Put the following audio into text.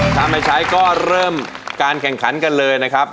ถ้าไม่ใช้ก็เริ่มการแข่งขันกันเลยนะครับ